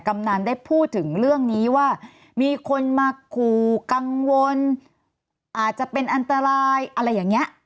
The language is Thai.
กำนันได้พูดถึงเรื่องนี้ว่ามีคนมาขู่กังวลอาจจะเป็นอันตรายอะไรอย่างนี้